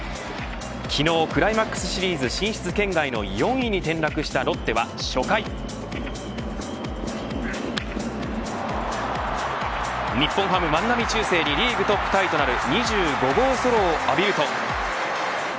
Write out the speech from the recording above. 昨日、クライマックスシリーズ進出圏外の４位に転落したロッテは、初回日本ハム、万波中正にリーグトップタイとなる２５号ソロを浴びると。